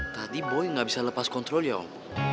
tadi boy nggak bisa lepas kontrol ya om